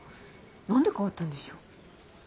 何で変わったんでしょう？